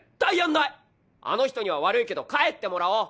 あの人には悪いけど帰ってもらおう。